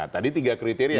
tadi tiga kriteria